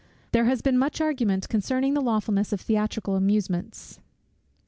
There has been much argument concerning the lawfulness of theatrical amusements.